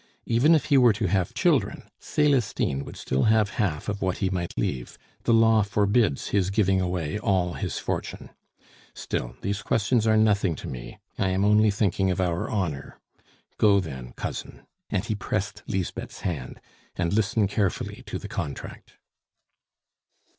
Even if he were to have children, Celestine would still have half of what he might leave; the law forbids his giving away all his fortune. Still, these questions are nothing to me; I am only thinking of our honor. Go then, cousin," and he pressed Lisbeth's hand, "and listen carefully to the contract."